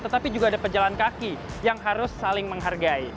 tetapi juga ada pejalan kaki yang harus saling menghargai